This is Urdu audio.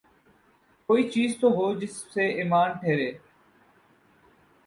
کوئی چیز تو ہو جس پہ ایمان ٹھہرے۔